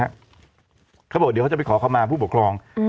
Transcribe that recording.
เขาบอกว่าเดี๋ยวเขาจะไปขอคำนาจผู้ปกครอง